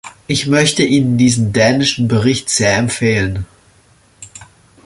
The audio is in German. Ich möchte Ihnen diesen dänischen Bericht sehr empfehlen.